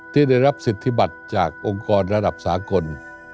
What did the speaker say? ที่ได้รับสิทธิบัติจากองค์กรระดับสากล